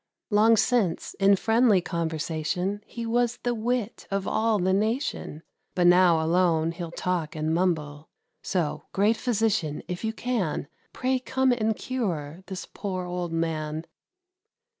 Long since, in friendly conversation, He was the wit of all the nation; But now alone he'll talk and mumble: So, great physician, if you can, Pray come and cure this poor old man."